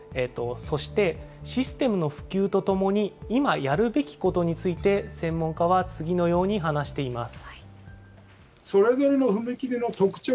そして、システムの普及とともに、今やるべきことについて、専門家は次のように話しています。